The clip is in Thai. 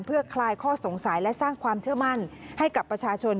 เพื่อคลายข้อสงสัยและสร้างความเชื่อมั่นให้กับประชาชน